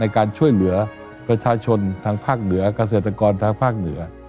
การช่วยเหลือประชาชนทางภาคเหนือเกษตรกรทางภาคเหนือ